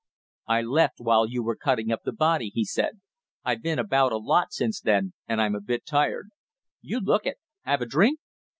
"I left while you were cutting up the body," he said. "I've been about a lot since then, and I'm a bit tired." "You look it. Have a drink?"